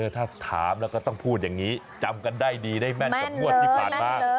ถ้าถามแล้วก็ต้องพูดอย่างนี้จำกันได้ดีได้แม่นกับงวดที่ผ่านมา